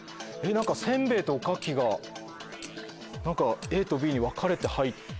「せんべい」と「おかき」がＡとＢに分かれて入って。